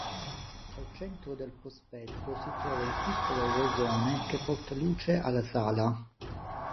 Al centro del prospetto si trova il piccolo rosone che porta luce alla sala.